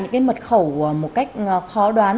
những cái mật khẩu một cách khó đoán